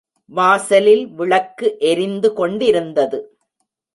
வாசலில் விளக்கு எரிந்து கொண்டிருந்தது.